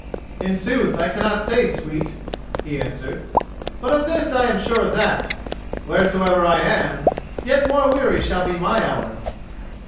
"In sooth I cannot say, sweet," he answered; "but of this I am sure that, wheresoever I am, yet more weary shall be my hours."